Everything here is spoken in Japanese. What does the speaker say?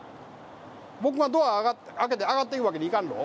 僕がドア開けて上がっていくのいかんの？